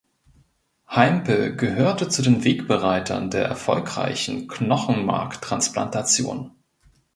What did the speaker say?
Heimpel gehörte zu den Wegbereitern der erfolgreichen Knochenmarktransplantation.